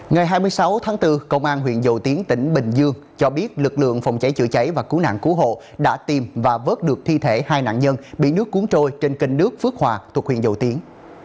ngày hai mươi sáu tháng bốn công an huyện dầu tiến tỉnh bình dương cho biết lực lượng phòng cháy chữa cháy và cứu nạn cứu hộ đã tìm và vớt được thi thể hai nạn nhân bị nước cuốn trôi trên kênh nước phước hòa thuộc huyện dầu tiếng